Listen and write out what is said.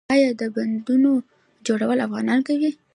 آیا د بندونو جوړول افغانان کوي؟